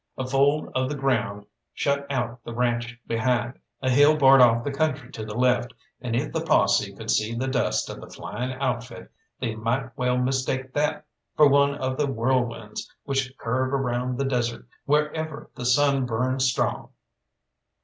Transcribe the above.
A fold of the ground shut out the ranche behind, a hill barred off the country to the left, and, if the posse could see the dust of the flying outfit, they might well mistake that for one of the whirlwinds which curve around the desert wherever the sun burns strong.